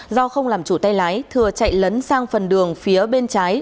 do không làm chủ tay lái thừa chạy lấn sang phần đường phía bên trái